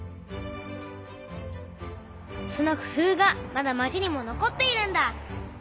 その工夫がまだ町にも残っているんだ。